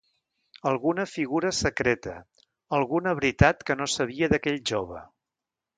Alguna figura secreta, alguna veritat que no sabia d'aquell jove.